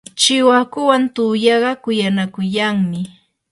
chiwakuwan tuyaqa kuyanakuyanmi.